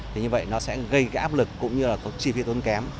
thì như vậy nó sẽ gây áp lực cũng như là có chi phí tốn kém